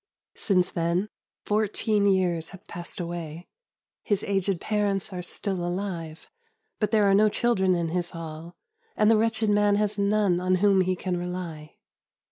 Since then, fourteen years have passed away. His aged parents are still alive, but there are no children in his hall, and the wretched man has none on whom he can rely.